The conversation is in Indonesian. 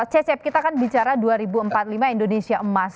cecep kita kan bicara dua ribu empat puluh lima indonesia emas